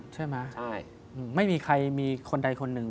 ใช่ไหมใช่ไม่มีใครมีคนใดคนหนึ่ง